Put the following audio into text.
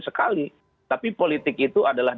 sekali tapi politik itu adalah